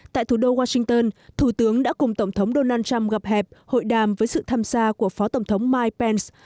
tại thủ đô washington thủ tướng đã cùng tổng thống donald trump gặp hẹp hội đàm với sự tham gia của phó tổng thống mike pence